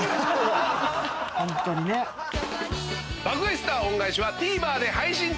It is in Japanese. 『爆買い☆スター恩返し』はＴＶｅｒで配信中。